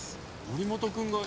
森本君が。